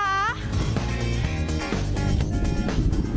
โอ๊ย